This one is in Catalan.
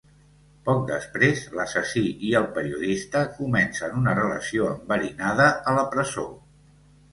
Poc després l’assassí i el periodista comencen una relació enverinada a la presó.